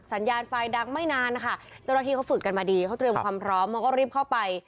สัญญาณไฟดังไม่นานนะคะเจ้าหน้าที่เขาฝึกกันมาดีเขาเตรียมความพร้อมเขาก็รีบเข้าไป